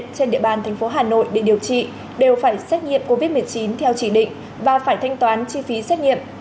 trên địa bàn thành phố hà nội để điều trị đều phải xét nghiệm covid một mươi chín theo chỉ định và phải thanh toán chi phí xét nghiệm